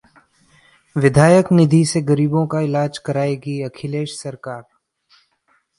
विधायक निधि से गरीबों का इलाज कराएगी अखिलेश सरकार